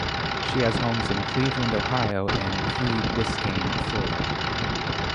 She has homes in Cleveland, Ohio, and Key Biscayne, Florida.